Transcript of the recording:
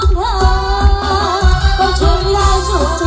รักเสียงเพลงของเธอ